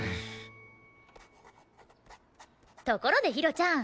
ところでひろちゃん。